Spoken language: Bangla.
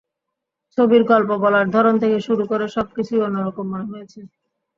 ছবির গল্প বলার ধরন থেকে শুরু করে সবকিছুই অন্যরকম মনে হয়েছে।